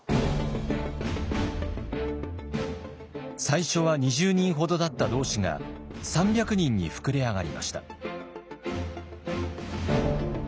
最初は２０人ほどだった同志が３００人に膨れ上がりました。